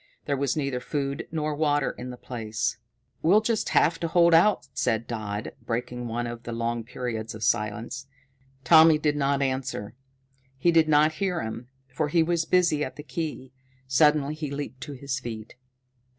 There was neither food nor water in the place. "We'll just have to hold out," said Dodd, breaking one of the long periods of silence. Tommy did not answer; he did not hear him, for he was busy at the key. Suddenly he leaped to his feet.